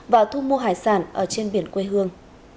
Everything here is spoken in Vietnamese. và thu mua hải sản ở trên biển quê hương